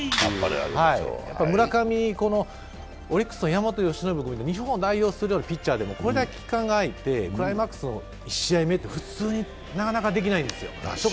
村上、オリックスの山本由伸みたいに日本を代表するようなピッチャーでもこれだけ期間が空いてクライマックスの１戦目ってなかなかこれだけできないですよ。